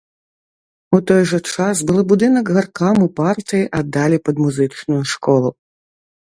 У той жа час былы будынак гаркаму партыі аддалі пад музычную школу.